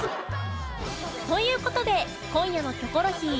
という事で今夜の『キョコロヒー』